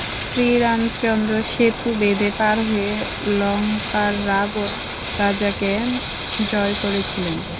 শ্রীরামচন্দ্র সেতু বেঁধে পার হয়ে লঙ্কার রাবণ-রাজাকে জয় করেছিলেন।